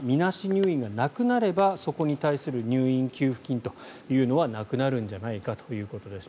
入院がなくなればそこに対する入院給付金というのはなくなるんじゃないかということです。